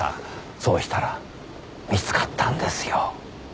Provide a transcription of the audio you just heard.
そうしたら見つかったんですよ。